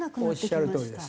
おっしゃるとおりです。